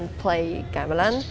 dan bermain gamelan